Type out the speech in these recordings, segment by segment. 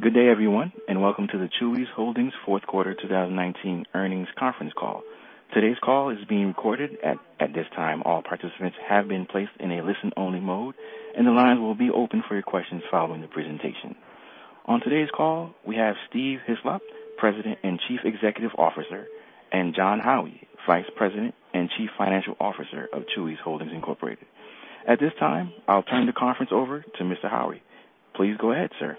Good day, everyone, and welcome to the Chuy's Holdings Fourth Quarter 2019 Earnings Conference Call. Today's call is being recorded. At this time, all participants have been placed in a listen-only mode, and the lines will be open for your questions following the presentation. On today's call, we have Steve Hislop, President and Chief Executive Officer, and Jon Howie, Vice President and Chief Financial Officer of Chuy's Holdings, Incorporated. At this time, I'll turn the conference over to Mr. Howie. Please go ahead, sir.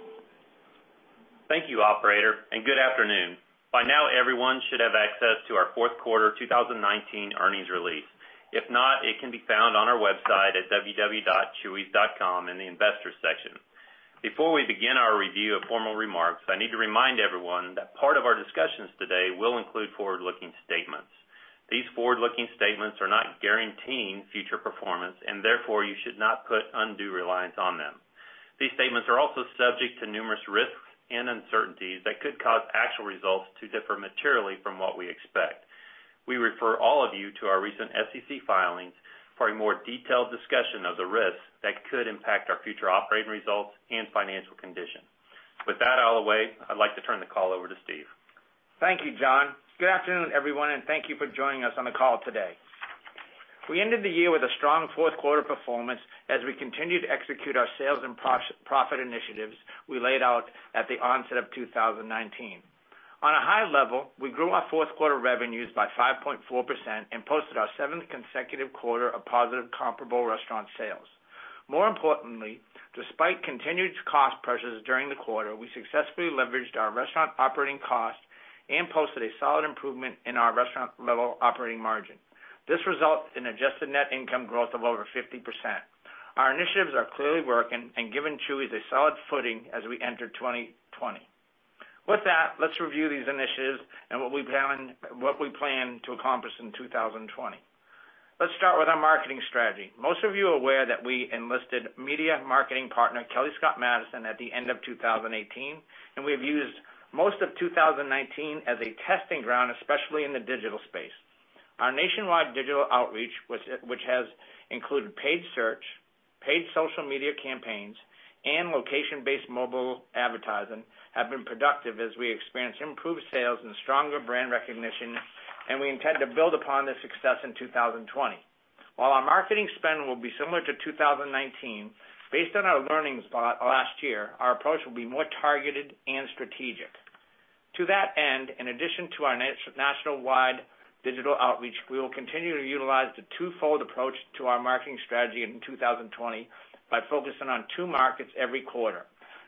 Thank you, operator, and good afternoon. By now, everyone should have access to our fourth quarter 2019 earnings release. If not, it can be found on our website at www.chuys.com in the Investors section. Before we begin our review of formal remarks, I need to remind everyone that part of our discussions today will include forward-looking statements. These forward-looking statements are not guaranteeing future performance, and therefore, you should not put undue reliance on them. These statements are also subject to numerous risks and uncertainties that could cause actual results to differ materially from what we expect. We refer all of you to our recent SEC filings for a more detailed discussion of the risks that could impact our future operating results and financial condition. With that out of the way, I'd like to turn the call over to Steve. Thank you, Jon. Good afternoon, everyone, and thank you for joining us on the call today. We ended the year with a strong fourth quarter performance as we continue to execute our sales and profit initiatives we laid out at the onset of 2019. On a high level, we grew our fourth quarter revenues by 5.4% and posted our seventh consecutive quarter of positive comparable restaurant sales. More importantly, despite continued cost pressures during the quarter, we successfully leveraged our restaurant operating costs and posted a solid improvement in our restaurant-level operating margin. This results in adjusted net income growth of over 50%. Our initiatives are clearly working and giving Chuy's a solid footing as we enter 2020. With that, let's review these initiatives and what we plan to accomplish in 2020. Let's start with our marketing strategy. Most of you are aware that we enlisted media marketing partner, Kelly Scott Madison, at the end of 2018. We've used most of 2019 as a testing ground, especially in the digital space. Our nationwide digital outreach, which has included paid search, paid social media campaigns, and location-based mobile advertising, have been productive as we experience improved sales and stronger brand recognition. We intend to build upon this success in 2020. While our marketing spend will be similar to 2019, based on our learnings last year, our approach will be more targeted and strategic. To that end, in addition to our nationwide digital outreach, we will continue to utilize the twofold approach to our marketing strategy in 2020 by focusing on two markets every quarter.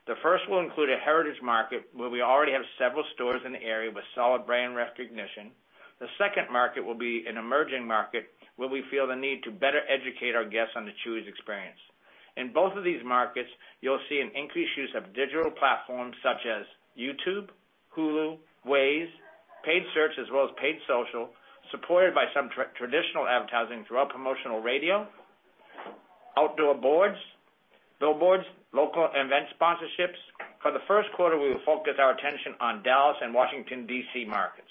The first will include a heritage market where we already have several stores in the area with solid brand recognition. The second market will be an emerging market where we feel the need to better educate our guests on the Chuy's experience. In both of these markets, you'll see an increased use of digital platforms such as YouTube, Hulu, Waze, paid search, as well as paid social, supported by some traditional advertising throughout promotional radio, outdoor boards, billboards, local event sponsorships. For the first quarter, we will focus our attention on Dallas and Washington, D.C. markets.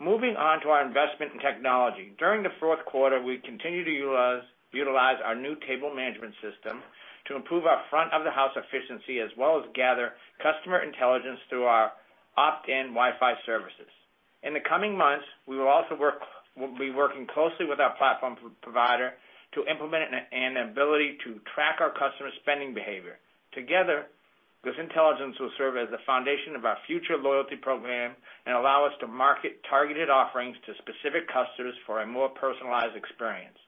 Moving on to our investment in technology. During the fourth quarter, we continued to utilize our new table management system to improve our front of the house efficiency as well as gather customer intelligence through our opt-in Wi-Fi services. In the coming months, we will also be working closely with our platform provider to implement an ability to track our customers' spending behavior. Together, this intelligence will serve as the foundation of our future loyalty program and allow us to market targeted offerings to specific customers for a more personalized experience.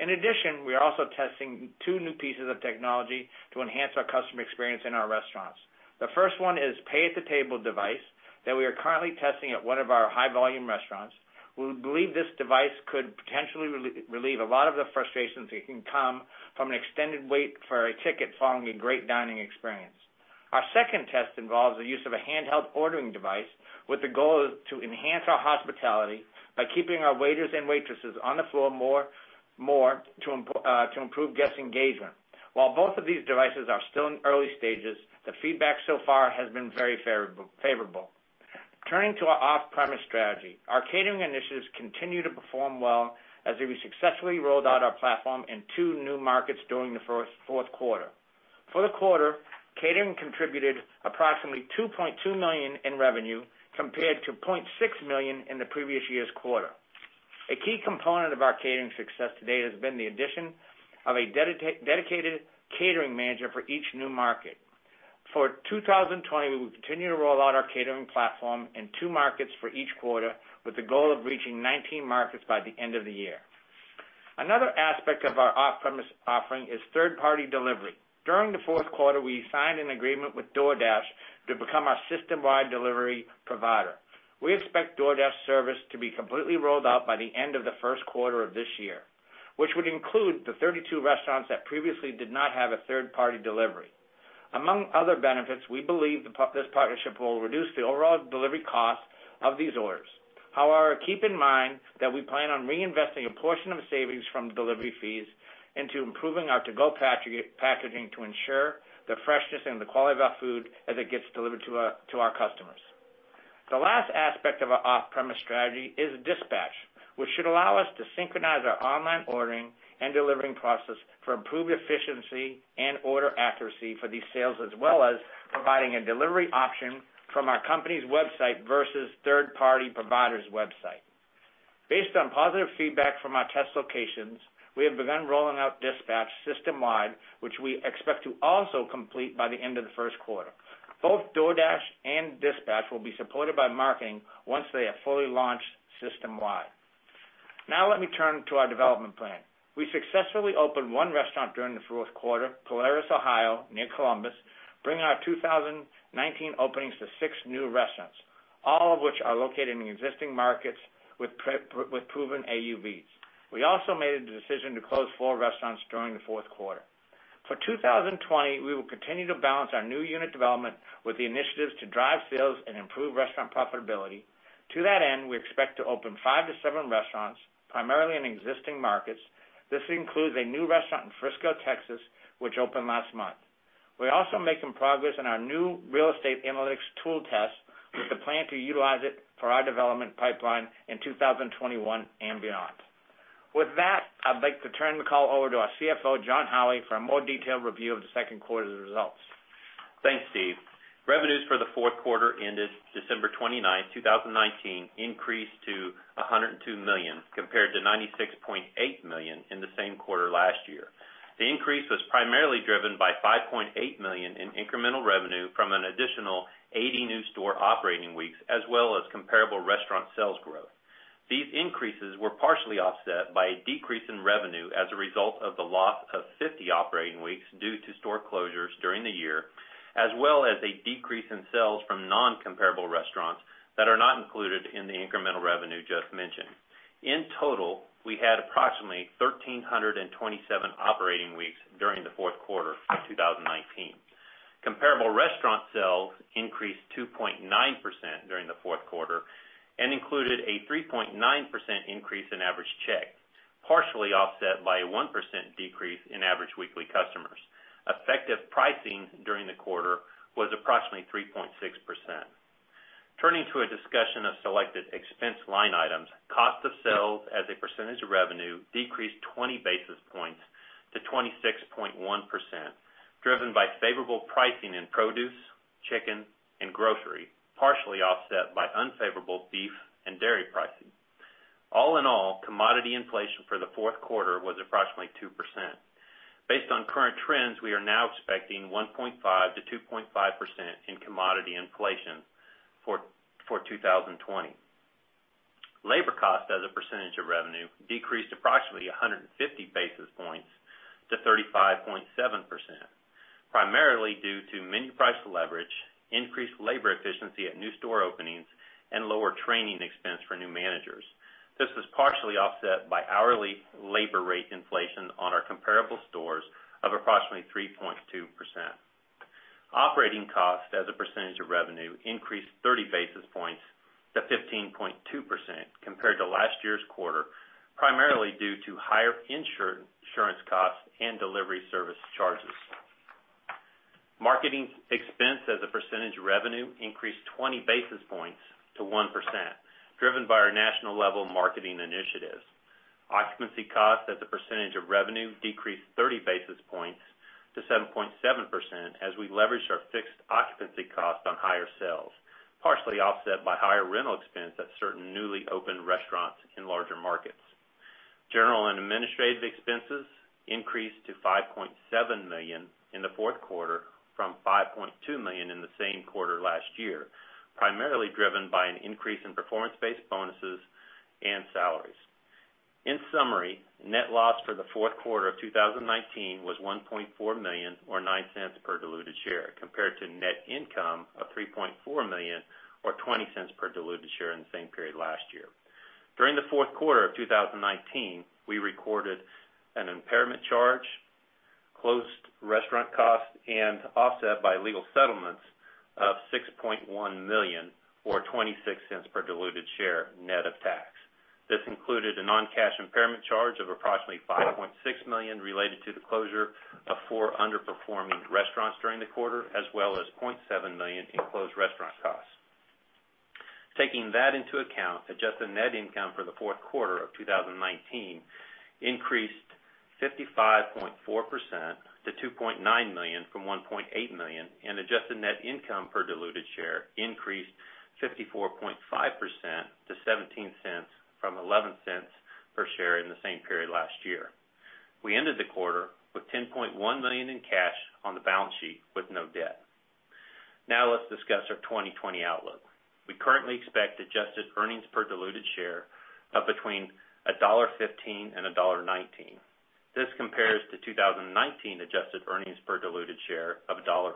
In addition, we are also testing two new pieces of technology to enhance our customer experience in our restaurants. The first one is pay at the table device that we are currently testing at one of our high volume restaurants. We believe this device could potentially relieve a lot of the frustrations that can come from an extended wait for a ticket following a great dining experience. Our second test involves the use of a handheld ordering device with the goal to enhance our hospitality by keeping our waiters and waitresses on the floor more to improve guest engagement. While both of these devices are still in early stages, the feedback so far has been very favorable. Turning to our off-premise strategy. Our catering initiatives continue to perform well as we successfully rolled out our platform in two new markets during the fourth quarter. For the quarter, catering contributed approximately $2.2 million in revenue compared to $0.6 million in the previous year's quarter. A key component of our catering success to date has been the addition of a dedicated catering manager for each new market. For 2020, we will continue to roll out our catering platform in two markets for each quarter, with the goal of reaching 19 markets by the end of the year. Another aspect of our off-premise offering is third-party delivery. During the fourth quarter, we signed an agreement with DoorDash to become our system-wide delivery provider. We expect DoorDash service to be completely rolled out by the end of the first quarter of this year, which would include the 32 restaurants that previously did not have a third-party delivery. Among other benefits, we believe this partnership will reduce the overall delivery cost of these orders. However, keep in mind that we plan on reinvesting a portion of savings from delivery fees into improving our to-go packaging to ensure the freshness and the quality of our food as it gets delivered to our customers. The last aspect of our off-premise strategy is dispatch, which should allow us to synchronize our online ordering and delivering process for improved efficiency and order accuracy for these sales, as well as providing a delivery option from our company's website versus third-party provider's website. Based on positive feedback from our test locations, we have begun rolling out dispatch system-wide, which we expect to also complete by the end of the first quarter. Both DoorDash and dispatch will be supported by marketing once they have fully launched system-wide. Now let me turn to our development plan. We successfully opened one restaurant during the fourth quarter, Polaris, Ohio, near Columbus, bringing our 2019 openings to six new restaurants, all of which are located in existing markets with proven AUVs. We also made a decision to close four restaurants during the fourth quarter. For 2020, we will continue to balance our new unit development with the initiatives to drive sales and improve restaurant profitability. To that end, we expect to open five to seven restaurants, primarily in existing markets. This includes a new restaurant in Frisco, Texas, which opened last month. We're also making progress in our new real estate analytics tool test with the plan to utilize it for our development pipeline in 2021 and beyond. With that, I'd like to turn the call over to our CFO, Jon Howie, for a more detailed review of the second quarter's results. Thanks, Steve. Revenues for the fourth quarter ended December 29th, 2019, increased to $102 million compared to $96.8 million in the same quarter last year. The increase was primarily driven by $5.8 million in incremental revenue from an additional 80 new store operating weeks, as well as comparable restaurant sales growth. These increases were partially offset by a decrease in revenue as a result of the loss of 50 operating weeks due to store closures during the year, as well as a decrease in sales from non-comparable restaurants that are not included in the incremental revenue just mentioned. In total, we had approximately 1,327 operating weeks during the fourth quarter for 2019. Comparable restaurant sales increased 2.9% during the fourth quarter and included a 3.9% increase in average check, partially offset by a 1% decrease in average weekly customers. Effective pricing during the quarter was approximately 3.6%. Turning to a discussion of selected expense line items, cost of sales as a percentage of revenue decreased 20 basis points to 26.1%, driven by favorable pricing in produce, chicken, and grocery, partially offset by unfavorable beef and dairy pricing. All in all, commodity inflation for the fourth quarter was approximately 2%. Based on current trends, we are now expecting 1.5%-2.5% in commodity inflation for 2020. Labor cost as a percentage of revenue decreased approximately 150 basis points to 35.7%, primarily due to menu price leverage, increased labor efficiency at new store openings, and lower training expense for new managers. This was partially offset by hourly labor rate inflation on our comparable stores of approximately 3.2%. Operating costs as a percentage of revenue increased 30 basis points to 15.2% compared to last year's quarter, primarily due to higher insurance costs and delivery service charges. Marketing expense as a percentage of revenue increased 20 basis points to 1%, driven by our national-level marketing initiatives. Occupancy cost as a percentage of revenue decreased 30 basis points to 7.7% as we leveraged our fixed occupancy cost on higher sales, partially offset by higher rental expense at certain newly opened restaurants in larger markets. General and administrative expenses increased to $5.7 million in the fourth quarter from $5.2 million in the same quarter last year, primarily driven by an increase in performance-based bonuses and salaries. In summary, net loss for the fourth quarter of 2019 was $1.4 million, or $0.09 per diluted share, compared to net income of $3.4 million or $0.20 per diluted share in the same period last year. During the fourth quarter of 2019, we recorded an impairment charge, closed restaurant costs, and offset by legal settlements of $6.1 million or $0.26 per diluted share, net of tax. This included a non-cash impairment charge of approximately $5.6 million related to the closure of four underperforming restaurants during the quarter, as well as $0.7 million in closed restaurant costs. Taking that into account, adjusted net income for the fourth quarter of 2019 increased 55.4% to $2.9 million from $1.8 million, and adjusted net income per diluted share increased 54.5% to $0.17 from $0.11 per share in the same period last year. We ended the quarter with $10.1 million in cash on the balance sheet with no debt. Now let's discuss our 2020 outlook. We currently expect adjusted earnings per diluted share of between $1.15 and $1.19. This compares to 2019 adjusted earnings per diluted share of $1.04.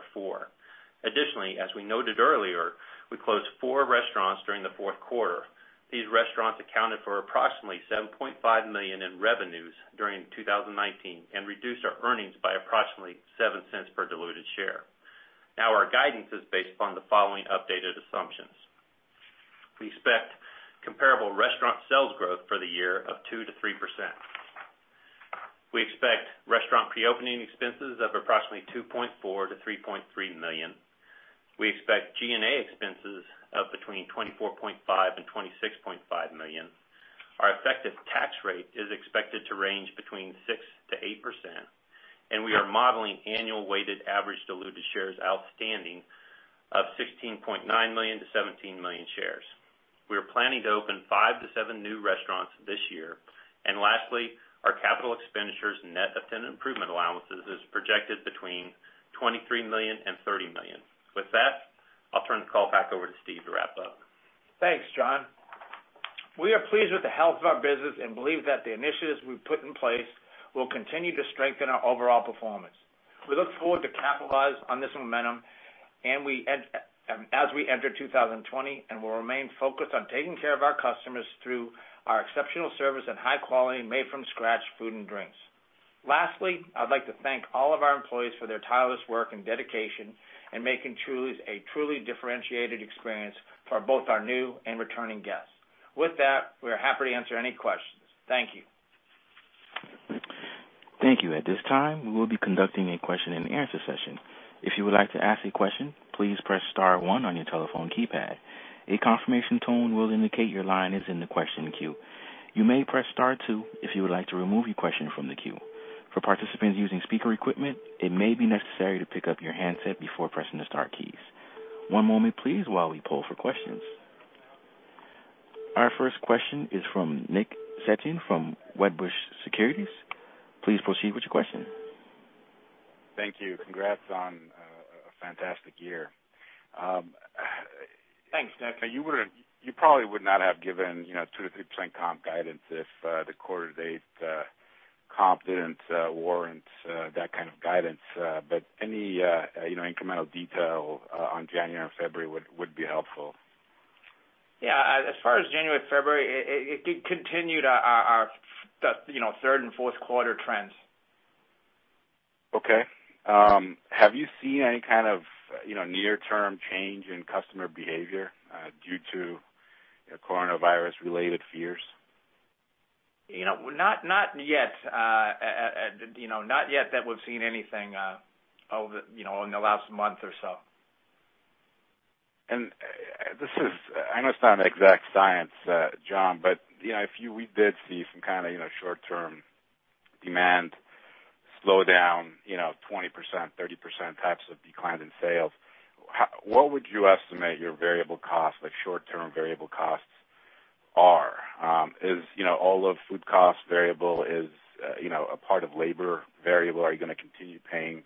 Additionally, as we noted earlier, we closed four restaurants during the fourth quarter. These restaurants accounted for approximately $7.5 million in revenues during 2019 and reduced our earnings by approximately $0.07 per diluted share. Our guidance is based upon the following updated assumptions. We expect comparable restaurant sales growth for the year of 2%-3%. We expect restaurant pre-opening expenses of approximately $2.4 million-$3.3 million. We expect G&A expenses of between $24.5 million and $26.5 million. Our effective tax rate is expected to range between 6%-8%, and we are modeling annual weighted average diluted shares outstanding of 16.9 million-17 million shares. We are planning to open five to seven new restaurants this year. Lastly, our capital expenditures net of tenant improvement allowances is projected between $23 million and $30 million. With that, I'll turn the call back over to Steve to wrap up. Thanks, Jon. We are pleased with the health of our business and believe that the initiatives we've put in place will continue to strengthen our overall performance. We look forward to capitalize on this momentum as we enter 2020 and will remain focused on taking care of our customers through our exceptional service and high quality, made from scratch food and drinks. Lastly, I would like to thank all of our employees for their tireless work and dedication in making Chuy's a truly differentiated experience for both our new and returning guests. With that, we are happy to answer any questions. Thank you. Thank you. At this time, we will be conducting a question and answer session. If you would like to ask a question, please press star one on your telephone keypad. A confirmation tone will indicate your line is in the question queue. You may press star two if you would like to remove your question from the queue. For participants using speaker equipment, it may be necessary to pick up your handset before pressing the star keys. One moment please while we poll for questions. Our first question is from Nick Setyan from Wedbush Securities. Please proceed with your question. Thank you. Congrats on a fantastic year. Thanks, Nick. You probably would not have given 2%-3% comp guidance if the quarter date comp didn't warrant that kind of guidance. Any incremental detail on January and February would be helpful. Yeah. As far as January, February, it continued our third and fourth quarter trends. Okay. Have you seen any kind of near term change in customer behavior due to Coronavirus related fears? Not yet that we've seen anything in the last month or so. I know it's not an exact science, Jon, but if we did see some kind of short term demand slow down, 20%, 30% types of decline in sales, what would you estimate your short term variable costs are? Is all of food cost variable? Is a part of labor variable? Are you going to continue paying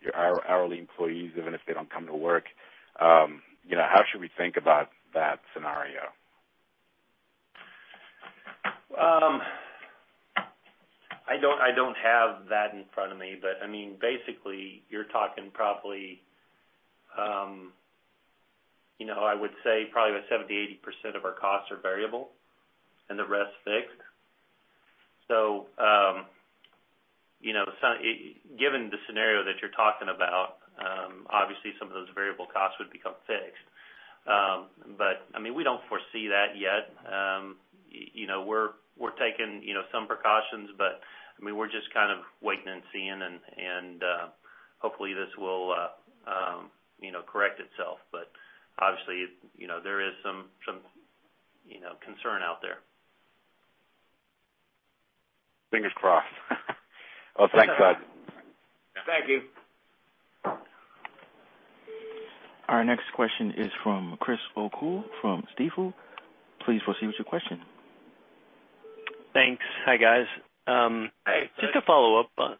your hourly employees even if they don't come to work? How should we think about that scenario? I don't have that in front of me. Basically you're talking probably, I would say probably 70%-80% of our costs are variable and the rest fixed. Given the scenario that you're talking about, obviously some of those variable costs would become fixed. We don't foresee that yet. We're taking some precautions, but we're just kind of waiting and seeing and hopefully this will correct itself. Obviously, there is some concern out there. Fingers crossed. Well, thanks, guys. Thank you. Our next question is from Chris O'Cull from Stifel. Please proceed with your question. Thanks. Hi, guys. Hi. Just to follow up on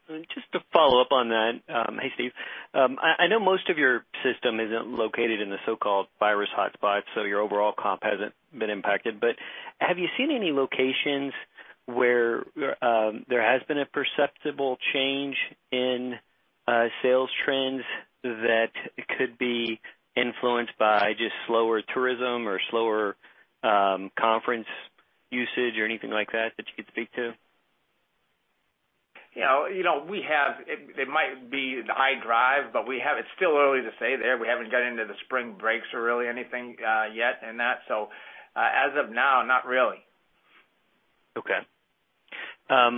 that. Hey, Steve. I know most of your system isn't located in the so-called virus hotspot, so your overall comp hasn't been impacted. Have you seen any locations where there has been a perceptible change in sales trends that could be influenced by just slower tourism or slower conference usage or anything like that you could speak to? It might be the I-Drive. It's still early to say there. We haven't got into the spring breaks or really anything yet in that. As of now, not really. Okay. I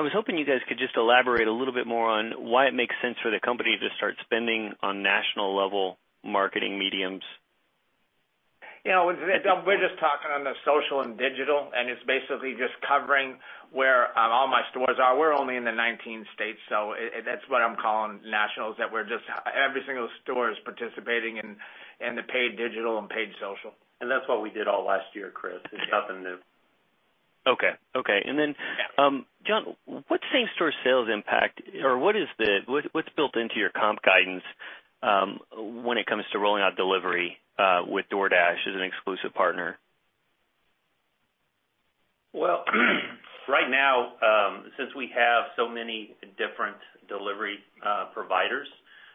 was hoping you guys could just elaborate a little bit more on why it makes sense for the company to start spending on national level marketing mediums? We're just talking on the social and digital, and it's basically just covering where all my stores are. We're only in the 19 states, so that's what I'm calling nationals, that every single store is participating in the paid digital and paid social. That's what we did all last year, Chris. It's nothing new. Okay. Jon, what's same store sales impact? What's built into your comp guidance when it comes to rolling out delivery with DoorDash as an exclusive partner? Right now, since we have so many different delivery providers,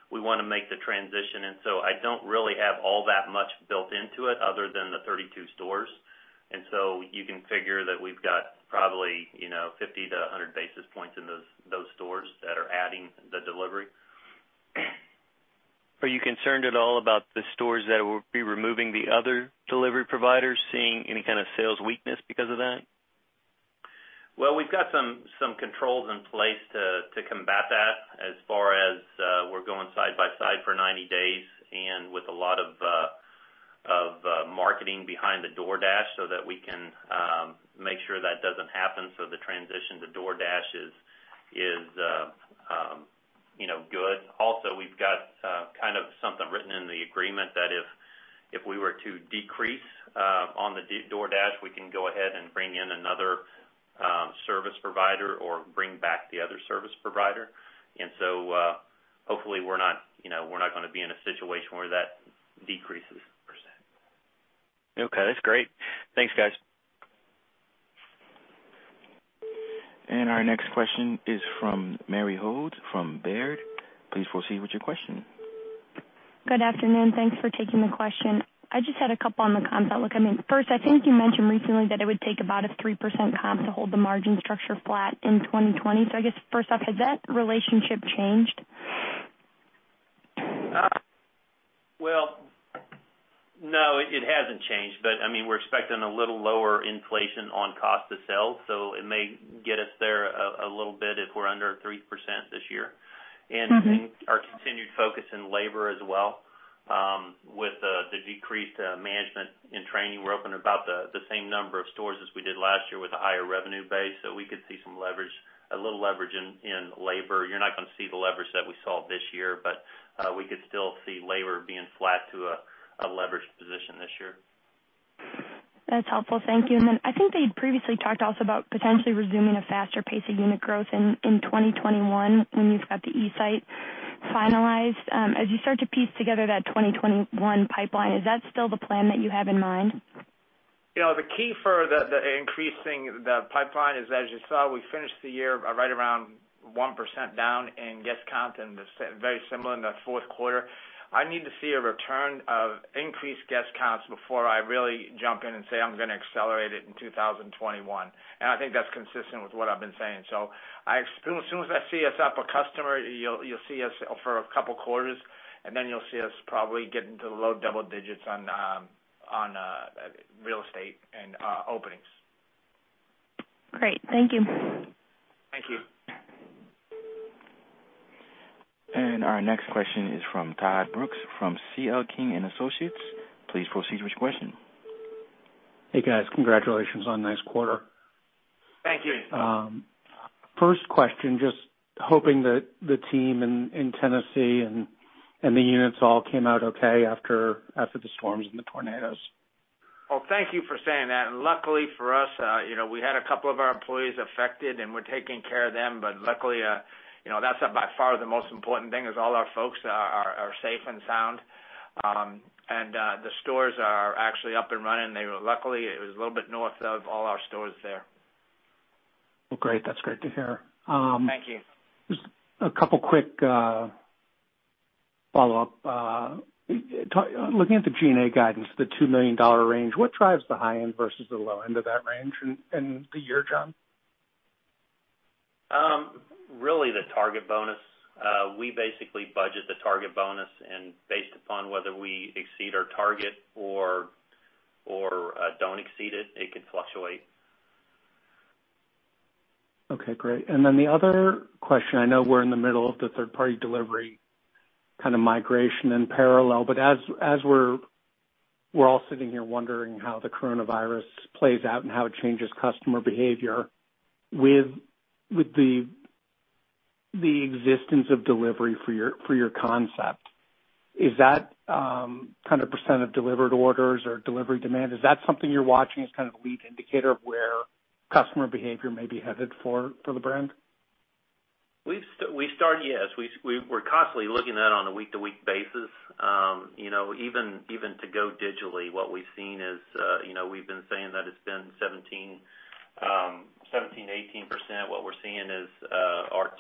we want to make the transition. I don't really have all that much built into it other than the 32 stores. You can figure that we've got probably 50-100 basis points in those stores that are adding the delivery. Are you concerned at all about the stores that will be removing the other delivery providers, seeing any kind of sales weakness because of that? We've got some controls in place to combat that as far as we're going side by side for 90 days and with a lot of marketing behind the DoorDash so that we can make sure that doesn't happen. The transition to DoorDash is good. Also, we've got something written in the agreement that if we were to decrease on the DoorDash, we can go ahead and bring in another service provider or bring back the other service provider. Hopefully we're not going to be in a situation where that decreases percentage. Okay, that's great. Thanks, guys. Our next question is from Mary Hodes from Baird. Please proceed with your question. Good afternoon. Thanks for taking the question. I just had a couple on the comp outlook. I mean, first, I think you mentioned recently that it would take about a 3% comp to hold the margin structure flat in 2020. I guess first off, has that relationship changed? Well, no, it hasn't changed. We're expecting a little lower inflation on cost of sales, so it may get us there a little bit if we're under 3% this year. I think our continued focus in labor as well, with the decreased management and training. We're open about the same number of stores as we did last year with a higher revenue base, so we could see a little leverage in labor. You're not going to see the leverage that we saw this year, but we could still see labor being flat to a leveraged position this year. That's helpful. Thank you. I think that you previously talked also about potentially resuming a faster pace of unit growth in 2021 when you've got the eSite finalized. As you start to piece together that 2021 pipeline, is that still the plan that you have in mind? The key for the increasing the pipeline is, as you saw, we finished the year right around 1% down in guest count, and very similar in the fourth quarter. I need to see a return of increased guest counts before I really jump in and say I'm going to accelerate it in 2021. I think that's consistent with what I've been saying. As soon as I see us up a customer, you'll see us for a couple of quarters, and then you'll see us probably get into the low double digits on real estate and openings. Great. Thank you. Thank you. Our next question is from Todd Brooks, from C.L. King & Associates. Please proceed with your question. Hey, guys. Congratulations on a nice quarter. Thank you. First question, just hoping that the team in Tennessee and the units all came out okay after the storms and the tornadoes. Well, thank you for saying that. Luckily for us, we had two of our employees affected, and we're taking care of them. Luckily, that's by far the most important thing, is all our folks are safe and sound. The stores are actually up and running. Luckily, it was a little bit north of all our stores there. Well, great. That's great to hear. Thank you. Just a couple quick follow-up. Looking at the G&A guidance, the $2 million range, what drives the high end versus the low end of that range in the year, Jon? Really, the target bonus. We basically budget the target bonus, and based upon whether we exceed our target or don't exceed it could fluctuate. Okay, great. The other question, I know we're in the middle of the third-party delivery migration in parallel, but as we're all sitting here wondering how the coronavirus plays out and how it changes customer behavior, with the existence of delivery for your concept, is that kind of percent of delivered orders or delivery demand, is that something you're watching as kind of a lead indicator of where customer behavior may be headed for the brand? Yes. We're constantly looking at it on a week-to-week basis. Even to go digitally, what we've seen is, we've been saying that it's been 17%, 18%. What we're seeing is our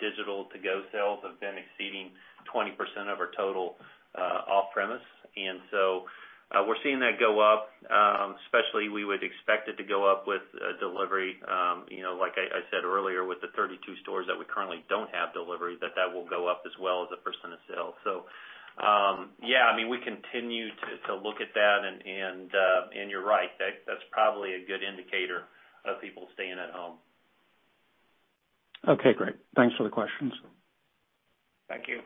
digital to-go sales have been exceeding 20% of our total off-premise. We're seeing that go up. Especially, we would expect it to go up with delivery. Like I said earlier, with the 32 stores that we currently don't have delivery, that will go up as well as a percent of sale. Yeah, we continue to look at that and you're right. That's probably a good indicator of people staying at home. Okay, great. Thanks for the questions. Thank you.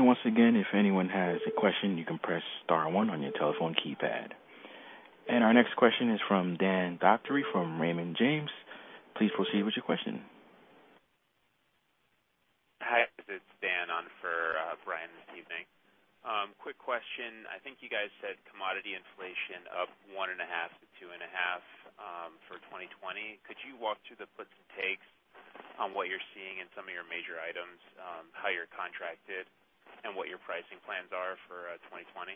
Once again, if anyone has a question, you can press star one on your telephone keypad. Our next question is from Brian Vaccaro, from Raymond James. Please proceed with your question. Hi, this is Dan on for Brian this evening. Quick question. I think you guys said commodity inflation up 1.5%-2.5% for 2020. Could you walk through the puts and takes on what you're seeing in some of your major items, how you're contracted, and what your pricing plans are for 2020?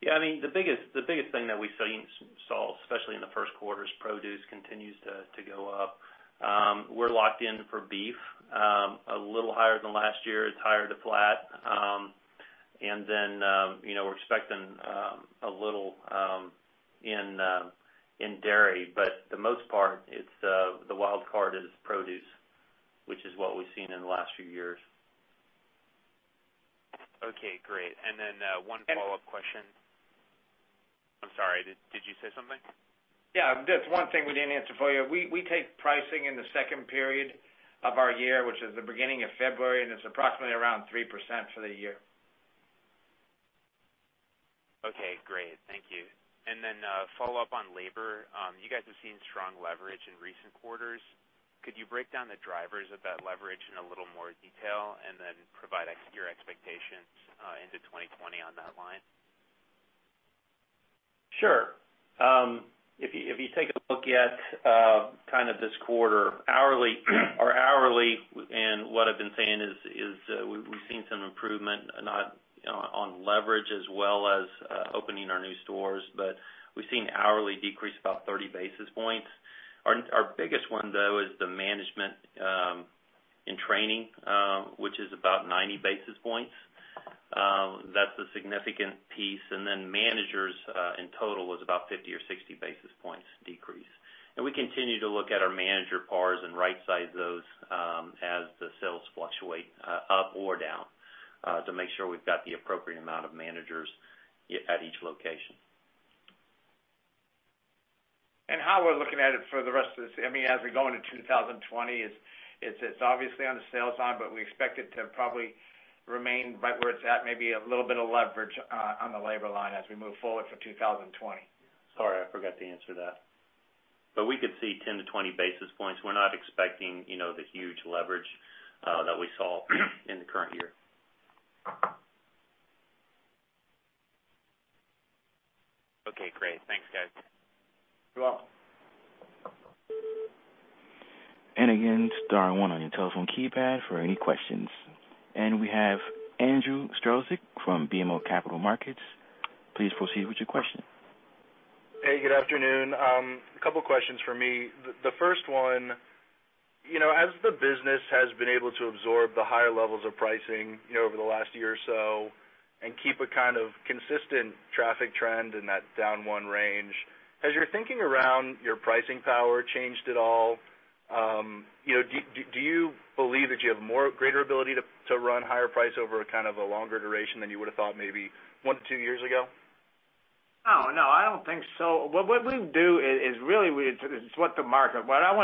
Yeah. The biggest thing that we saw, especially in the first quarter, is produce continues to go up. We're locked in for beef, a little higher than last year, it's higher to flat. We're expecting a little in dairy, but the most part, the wild card is produce, which is what we've seen in the last few years. Okay, great. One follow-up question. I'm sorry, did you say something? Yeah. Just one thing we didn't answer for you. We take pricing in the second period of our year, which is the beginning of February, and it's approximately around 3% for the year. Okay, great. Thank you. Follow-up on labor. You guys have seen strong leverage in recent quarters. Could you break down the drivers of that leverage in a little more detail, and then provide your expectations into 2020 on that line? Sure. If you take a look at this quarter hourly, and what I've been saying is we've seen some improvement, not on leverage as well as opening our new stores, but we've seen hourly decrease about 30 basis points. Our biggest one, though, is the management and training, which is about 90 basis points. That's a significant piece. Managers, in total, was about 50 or 60 basis points decrease. We continue to look at our manager pars and right-size those as the sales fluctuate up or down to make sure we've got the appropriate amount of managers at each location. How we're looking at it for the rest of this, as we go into 2020, it's obviously on the sales line, but we expect it to probably remain right where it's at, maybe a little bit of leverage on the labor line as we move forward for 2020. Sorry, I forgot to answer that. We could see 10-20 basis points. We're not expecting the huge leverage that we saw in the current year. Okay, great. Thanks, guys. You're welcome. Again, star one on your telephone keypad for any questions. We have Andrew Strelzik from BMO Capital Markets. Please proceed with your question. Hey, good afternoon. A couple questions for me. The first one, as the business has been able to absorb the higher levels of pricing over the last year or so and keep a kind of consistent traffic trend in that down one range, has your thinking around your pricing power changed at all? Do you believe that you have more greater ability to run higher price over a kind of a longer duration than you would've thought maybe one to two years ago? Oh, no, I don't think so. What I want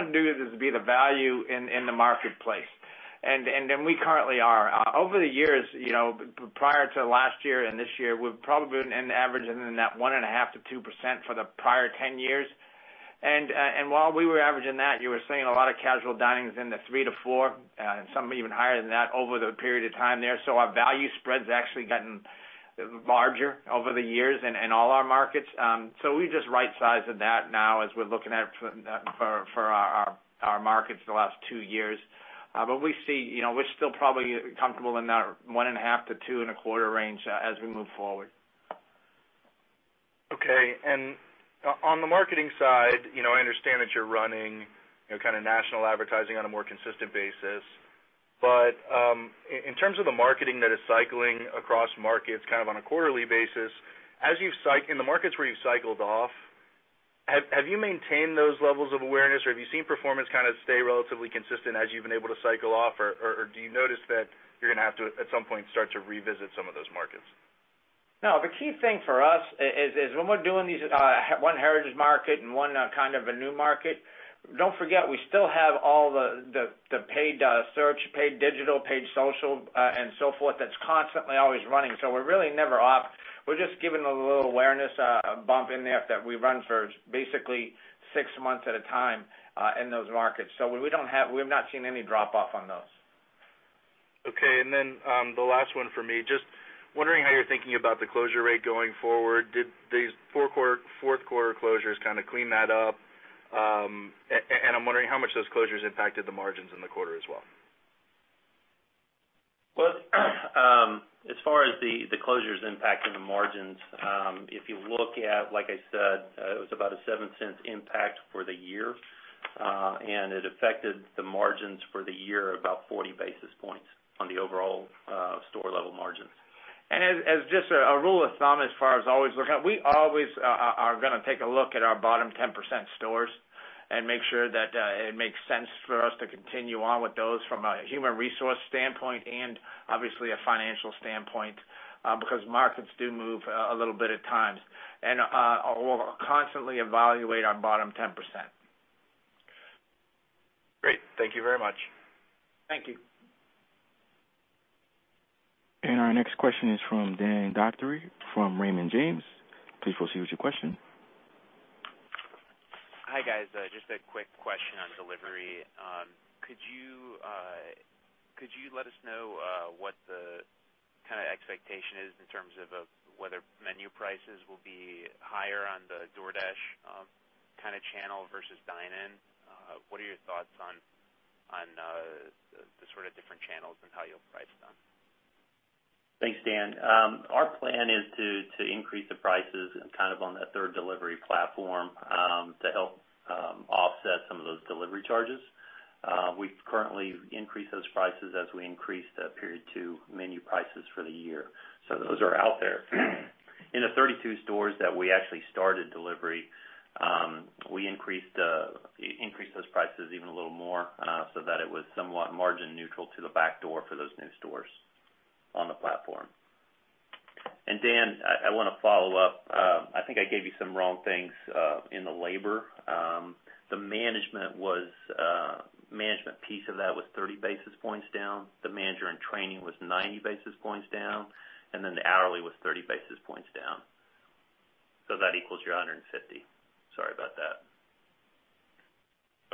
to do is be the value in the marketplace, and than we currently are. Over the years, prior to last year and this year, we've probably been an average in that 1.5%-2% for the prior 10 years. While we were averaging that, you were seeing a lot of casual dinings in the 3%-4%, and some even higher than that over the period of time there. Our value spread's actually gotten larger over the years in all our markets. We just right-sized that now as we're looking at it for our markets the last two years. We're still probably comfortable in that 1.5%-2.25% range as we move forward. Okay. On the marketing side, I understand that you're running national advertising on a more consistent basis. In terms of the marketing that is cycling across markets on a quarterly basis, in the markets where you've cycled off, have you maintained those levels of awareness, or have you seen performance kind of stay relatively consistent as you've been able to cycle off, or do you notice that you're going to have to, at some point, start to revisit some of those markets? No. The key thing for us is when we're doing these one heritage market and one kind of a new market, don't forget, we still have all the paid search, paid digital, paid social, and so forth, that's constantly always running. We're really never off. We're just giving a little awareness, a bump in there that we run for basically six months at a time in those markets. We have not seen any drop-off on those. Okay. The last one for me, just wondering how you're thinking about the closure rate going forward? Did these fourth quarter closures kind of clean that up? I'm wondering how much those closures impacted the margins in the quarter as well? As far as the closures impacting the margins, if you look at, like I said, it was about a $0.07 impact for the year. It affected the margins for the year about 40 basis points on the overall store level margins. As just a rule of thumb, as far as always looking, we always are going to take a look at our bottom 10% stores and make sure that it makes sense for us to continue on with those from a human resource standpoint and obviously a financial standpoint, because markets do move a little bit at times. We'll constantly evaluate our bottom 10%. Great. Thank you very much. Thank you. Our next question is from Dan Docherty from Raymond James. Please proceed with your question. Hi, guys. Just a quick question on delivery. Could you let us know what the expectation is in terms of whether menu prices will be higher on the DoorDash channel versus dine-in? What are your thoughts on the sort of different channels and how you'll price them? Thanks, Dan. Our plan is to increase the prices on that third delivery platform, to help offset some of those delivery charges. We currently increase those prices as we increase the period two menu prices for the year. Those are out there. In the 32 stores that we actually started delivery, we increased those prices even a little more so that it was somewhat margin neutral to the back door for those new stores on the platform. Dan, I want to follow up. I think I gave you some wrong things in the labor. The management piece of that was 30 basis points down. The manager in training was 90 basis points down, the hourly was 30 basis points down. That equals your 150. Sorry about that.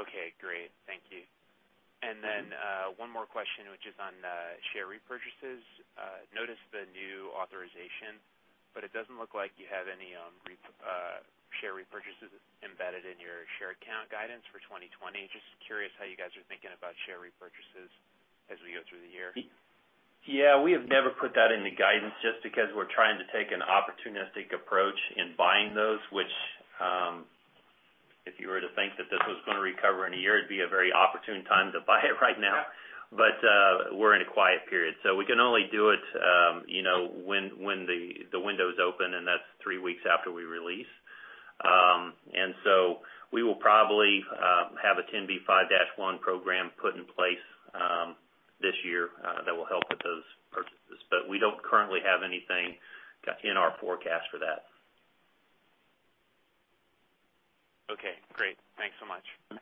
Okay, great. Thank you. One more question, which is on share repurchases. Noticed the new authorization, it doesn't look like you have any share repurchases embedded in your share count guidance for 2020. Just curious how you guys are thinking about share repurchases as we go through the year. Yeah. We have never put that in the guidance just because we're trying to take an opportunistic approach in buying those, which if you were to think that this was going to recover in a year, it'd be a very opportune time to buy it right now. We're in a quiet period, so we can only do it when the window's open, and that's three weeks after we release. We will probably have a 10b5-1 program put in place this year that will help with those purchases. We don't currently have anything in our forecast for that. Okay, great. Thanks so much. Okay.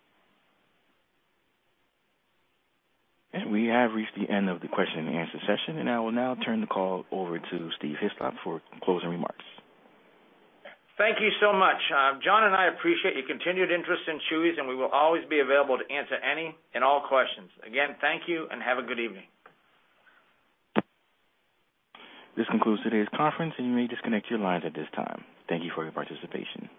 We have reached the end of the question and answer session, and I will now turn the call over to Steve Hislop for closing remarks. Thank you so much. Jon and I appreciate your continued interest in Chuy's, and we will always be available to answer any and all questions. Again, thank you and have a good evening. This concludes today's conference, and you may disconnect your lines at this time. Thank you for your participation.